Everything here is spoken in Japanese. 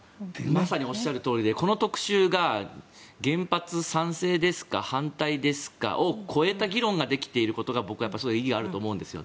まさにおっしゃるとおりでこの特集が原発賛成ですか反対ですかというのを超えた議論ができていることが僕は意義があると思うんですよ。